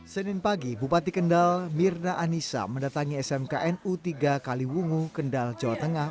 senin pagi bupati kendal mirna anissa mendatangi smkn u tiga kaliwungu kendal jawa tengah